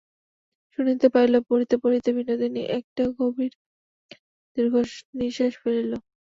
শুনিতে পাইল, পড়িতে পড়িতে বিনোদিনী একটা গভীর দীর্ঘনিশ্বাস ফেলিল।